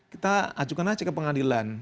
kita ajukan aja ke pengadilan